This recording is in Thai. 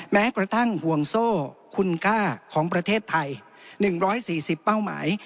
แม้กระทั่งห่วงโซ่คุณค่าของประเทศไทย๑๔๐เป้าหมาย